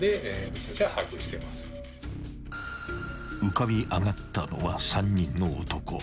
［浮かび上がったのは３人の男］